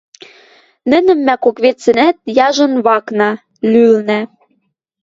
нӹнӹм мӓ кок вецӹнӓт яжон вакна, лӱлнӓ.